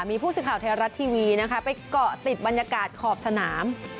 มีผู้สื่อข่าวไทยรัฐทีวีนะคะไปเกาะติดบรรยากาศขอบสนาม